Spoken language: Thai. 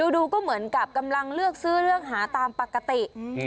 ดูก็เหมือนกับกำลังเลือกซื้อเลือกหาตามปกติ